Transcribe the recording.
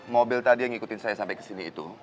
mobil tadi yang ngikutin saya sampai kesini itu